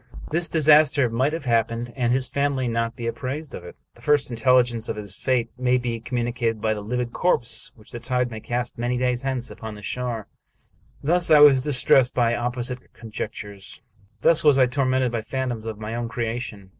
This disaster might have happened, and his family not be apprised of it. The first intelligence of his fate may be communicated by the livid corpse which the tide may cast, many days hence, upon the shore. Thus was I distressed by opposite conjectures ; thus was I tormented by phantoms of my own creation.